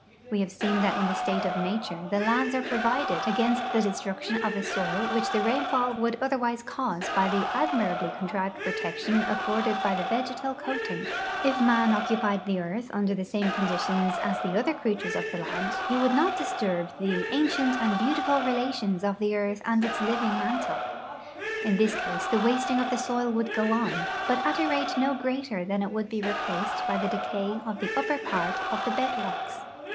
^Ve have seen that in the state of nature the lands are provided against the destruction of tlie soil which the rainfall would otherwise cause b\' the admirably contrived ]>rotection afforded by the vegetal coating. If man occupied the earth under the same conditions as the other creatures of the land, he would not disturb the an 374 THE ECONOMIC ASPECTS OF SOIL EROSION cient and beautiful relations of the earth and its living mantle. In this case the wasting of the soil would go on, hut at a rate no greater than it would he rej)laced hy the decay of the upper part of the hed rocks.